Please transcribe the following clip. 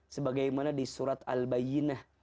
sebagai mana di surat al bayyinah